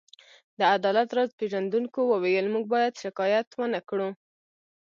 د عدالت راز پيژندونکو وویل: موږ باید شکایت ونه کړو.